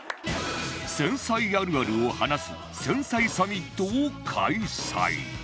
繊細あるあるを話す繊細サミットを開催